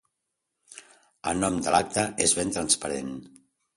El nom de l’acte és ben transparent.